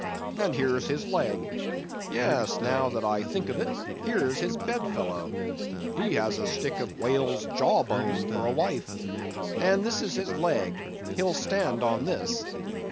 And here's his leg! Yes, now that I think of it, here's his bedfellow! has a stick of whale's jaw bone for a wife! And this is his leg; he'll stand on this.